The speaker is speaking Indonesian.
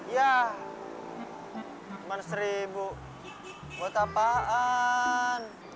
ya cuman seribu buat apaan